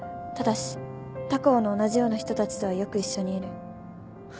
ただし他校の同じような人たちとはよく一緒にいる